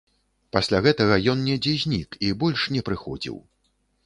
Пасля гэтага ён недзе знік і больш не прыходзіў.